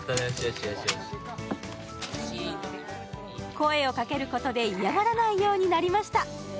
声をかけることで嫌がらないようになりました